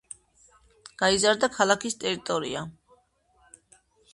გაიზარდა ქალაქის ტერიტორია.